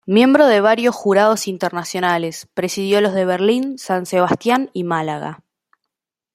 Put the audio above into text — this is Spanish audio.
Miembro de varios jurados internacionales, presidió los de Berlín, San Sebastián y Málaga.